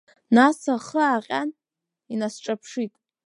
Нас ахы ааҟьан, инасҿаԥшит.